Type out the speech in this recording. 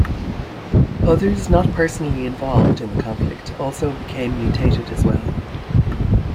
Others not personally involved in the conflict also became mutated as well.